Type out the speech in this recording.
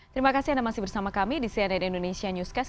terima kasih anda masih bersama kami di cnn indonesia newscast